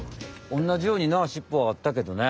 おんなじようになしっぽはあったけどね。